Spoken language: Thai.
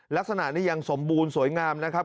ลักษณะนี้ยังสมบูรณ์สวยงามนะครับ